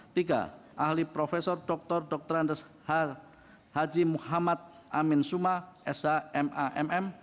tiga ahli profesor dokter dr haji muhammad amin suma shma mm